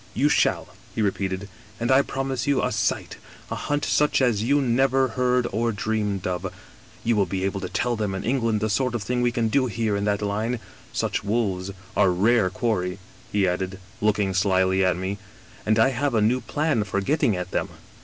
You shall,' he repeated, * and I promise you a sight, a hunt such as you never heard or dreamed of — ^you will be able to tell them in England the sort of thing we can do here in that line — such wolves are rare quarry,' he added, look ing slyly at me, 'and I have a new plan for getting at them.'